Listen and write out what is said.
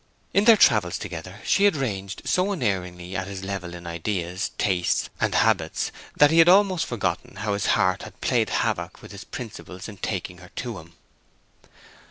In their travels together she had ranged so unerringly at his level in ideas, tastes, and habits that he had almost forgotten how his heart had played havoc with his principles in taking her to him.